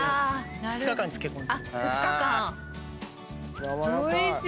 ２日間漬け込んでます。